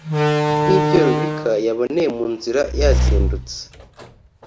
nk’ibyo Rubika yaboneye mu nzira yazindutse